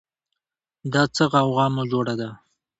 دا څه غوغا مو جوړه ده